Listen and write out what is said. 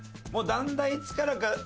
もうだんだんいつからか。